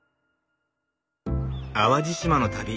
淡路島の旅。